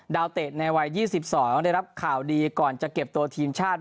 เตะในวัย๒๒ได้รับข่าวดีก่อนจะเก็บตัวทีมชาติ